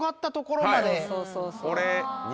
これ。